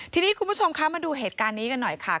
ทีนี้คุณผู้ชมคะมาดูเหตุการณ์นี้กันหน่อยค่ะ